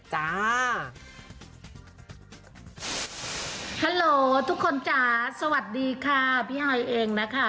จ้าฮัลโหลทุกคนจ๋าสวัสดีค่ะพี่ฮอยเองนะคะ